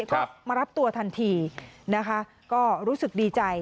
เขามารับตัวทันทีก็รู้สึกดีใจ